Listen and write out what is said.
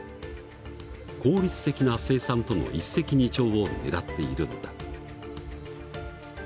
効率的な生産との一石二鳥を狙っているのだ。